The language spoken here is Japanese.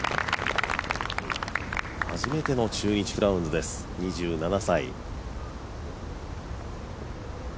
初めての中日クラウンズです２７歳。